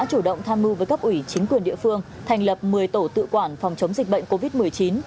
chủ động tham mưu với các ủy chính quyền địa phương thành lập một mươi tổ tự quản phòng chống dịch bệnh